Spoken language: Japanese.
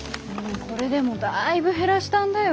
これでもだいぶ減らしたんだよ。